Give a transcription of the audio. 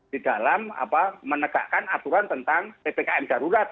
di dalam menegakkan aturan tentang ppkm darurat